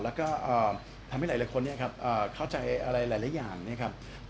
แล้วก็ทำให้หลายคนเนี่ยครับเข้าใจอะไรหลายอย่างนะครับ